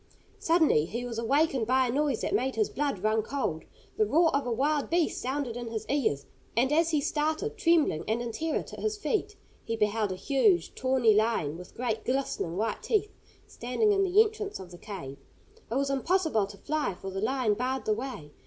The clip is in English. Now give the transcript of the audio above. Suddenly he was awakened by a noise that made his blood run cold. The roar of a wild beast sounded in his ears, and as he started trembling and in terror to his feet, he beheld a huge, tawny lion, with great glistening white teeth, standing in the entrance of the cave. It was impossible to fly, for the lion barred the way.